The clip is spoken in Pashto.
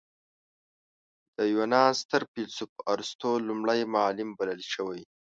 د یونان ستر فیلسوف ارسطو لومړی معلم بلل شوی.